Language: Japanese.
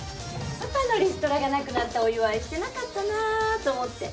パパのリストラがなくなったお祝いしてなかったなと思って。